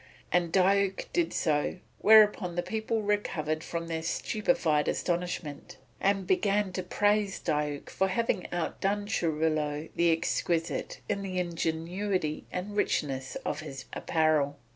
And Diuk did so; whereupon the people recovered from their stupefied astonishment and began to praise Diuk for having outdone Churilo the Exquisite in the ingenuity and richness of his apparel.